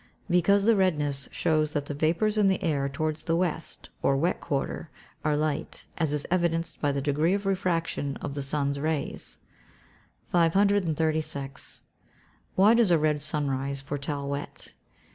_ Because the redness shows that the vapours in the air towards the West, or wet quarter, are light, as is evidenced by the degree of refraction of the sun's rays. 536. _Why does a red sunrise foretell wet?